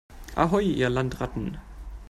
Ahoi, ihr Landratten!